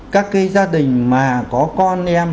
các cái gia đình mà có con em